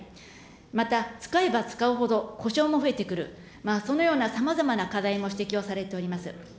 また、使えば使うほど故障も増えてくる、そのようなさまざまな課題も指摘をされております。